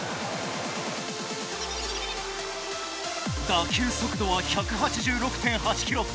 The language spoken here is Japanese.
打球速度は１８６．８キロ。